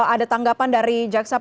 ada tanggapan dari jaksa